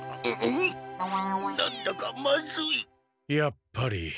やっぱり。